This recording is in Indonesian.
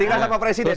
tinggal sama presiden